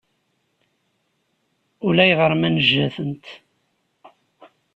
Ulayɣer ma nejja-tent.